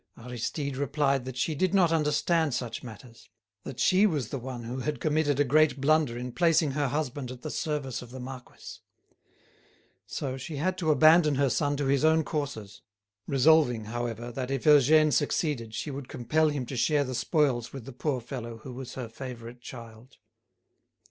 Aristide replied that she did not understand such matters; that she was the one who had committed a great blunder in placing her husband at the service of the marquis. So she had to abandon her son to his own courses, resolving, however that if Eugène succeeded she would compel him to share the spoils with the poor fellow who was her favourite child.